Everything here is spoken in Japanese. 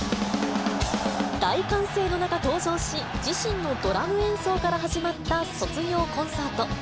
大歓声の中、登場し、自身のドラム演奏から始まった卒業コンサート。